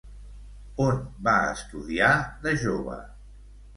On va estudiar de jove?